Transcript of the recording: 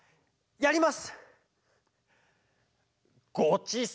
やります。